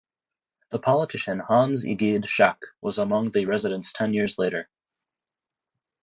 The politician Hans Egede Schack was among the residents ten years later.